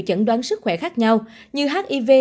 chẩn đoán sức khỏe khác nhau như hiv